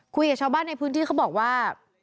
คุยกับชาวบ้านในพื้นที่เขาบอกว่า